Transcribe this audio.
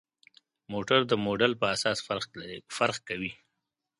موټر د موډل پر اساس فرق کوي.